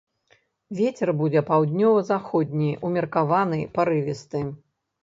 Вецер будзе паўднёва-заходні, умеркаваны, парывісты.